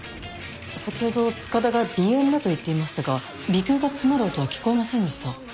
先ほど塚田が鼻炎だと言っていましたが鼻腔が詰まる音は聞こえませんでした。